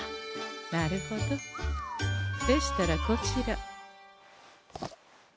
なるほどでしたらこちら。